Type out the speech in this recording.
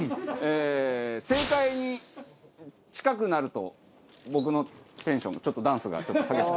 正解に近くなると僕のテンションちょっとダンスが激しく。